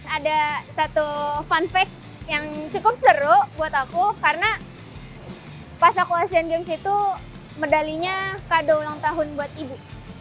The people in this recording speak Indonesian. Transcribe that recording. ada satu fun fake yang cukup seru buat aku karena pas aku asian games itu medalinya kado ulang tahun buat ibu